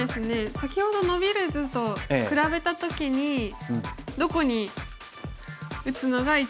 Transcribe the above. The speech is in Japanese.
先ほどノビる図と比べた時にどこに打つのが一番変わるかっていう。